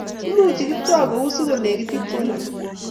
imuchi Kiptoo kou sikolekite Jelagat